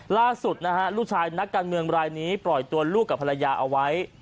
ล่าสุดนะฮะลูกชายนักการเมืองรายนี้ปล่อยตัวลูกกับภรรยาเอาไว้